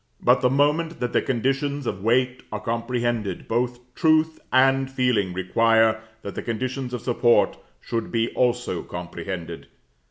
But the moment that the conditions of weight are comprehended, both truth and feeling require that the conditions of support should be also comprehended.